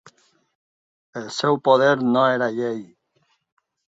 El seu poder "no" era llei.